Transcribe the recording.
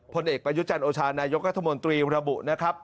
ผลเอกประยุจันทร์โอชานายกรัฐมนตรีระบุนะครับ